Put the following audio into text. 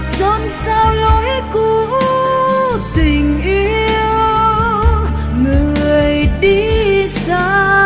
sơn sao lối cũ tình yêu người đi xa